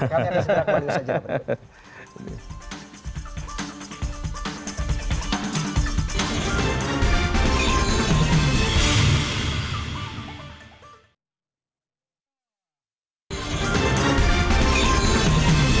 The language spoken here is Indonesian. kami akan segera kembali di episode berikut